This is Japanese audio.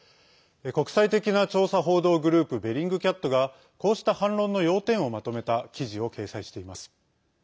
国際的な調査報道グループべリングキャットがこうした反論の要点をまとめた記事を掲載しています。